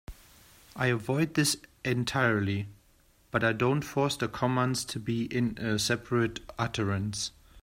I avoid this entirely, but I don't force the commands to be in a separate utterance.